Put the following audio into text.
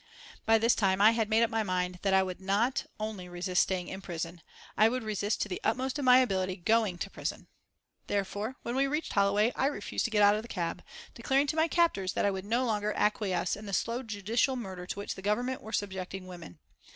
By this time I had made up my mind that I would not only resist staying in prison, I would resist to the utmost of my ability going to prison. Therefore, when we reached Holloway I refused to get out of the cab, declaring to my captors that I would no longer acquiesce in the slow judicial murder to which the Government were subjecting women.